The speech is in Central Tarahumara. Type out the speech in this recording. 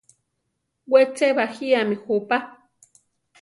We che bajíami jupa.